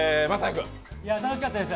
楽しかったです。